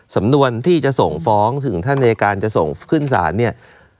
สำนวนที่จะส่งฟ้องถึงท่านอายการจะส่งขึ้นศาลเนี่ย